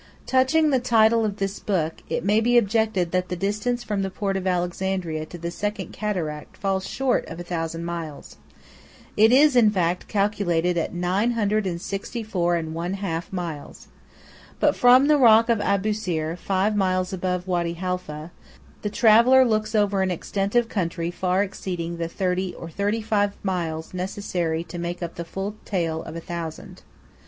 1 Touching the title of this book, it may be objected that the distance from the port of Alexandria to the Second Cataract falls short of a thousand miles. It is, in fact, calculated at 964 1/2 miles. But from the Rock of Abusir, five miles above Wady Halfeh, the traveller looks over an extent of country far exceeding the thirty or thirty five miles necessary to make up the full tale of a thousand.